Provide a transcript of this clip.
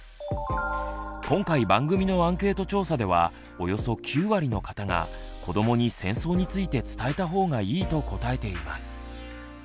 今回番組のアンケート調査ではおよそ９割の方が子どもに戦争について「伝えた方がいい」と答えています。